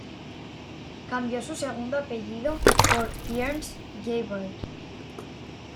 Cambió su segundo apellido por Fierens-Gevaert.